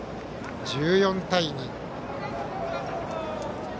１４対２。